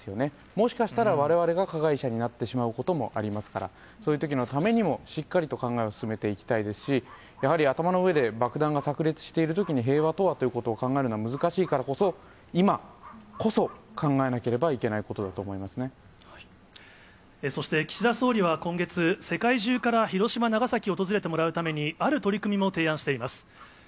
もしかしたらわれわれが加害者になってしまう可能性がありますから、そういうときのためにも、しっかりと考えを進めていきたいですし、やはり、頭の上で爆弾がさく裂しているときに、平和とはということを考えるのは難しいからこそ、今こそ、考えなければいけないことだと思そして、岸田総理は今月、世界中から広島、長崎を訪れてもらうために、ある取り組みも提案しています。